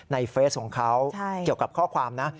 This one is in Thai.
เฟสของเขาเกี่ยวกับข้อความนะ